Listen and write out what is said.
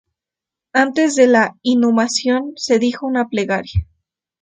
Antes de la inhumación se dijo una plegaria.